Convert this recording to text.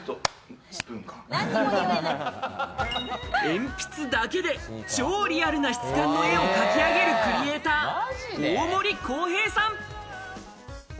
鉛筆だけで超リアルな質感の絵を描き上げるクリエイター、大森浩平さん。